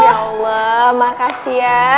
ya allah makasih ya